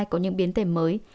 có những biến thể mới